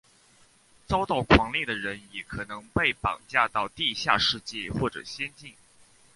遭遇狂猎的人也可能被绑架到地下世界或者仙境。